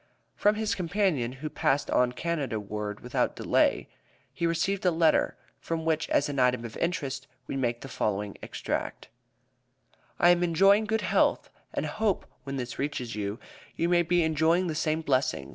From his companion, who passed on Canada ward without delay, we received a letter, from which, as an item of interest, we make the following extract: "I am enjoying good health, and hope when this reaches you, you may be enjoying the same blessing.